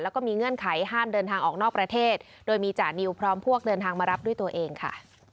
แล้วก็มีเงื่อนไขห้ามเดินทางออกนอกประเทศโดยมีจานิวพร้อมพวกเดินทางมารับด้วยตัวเองค่ะ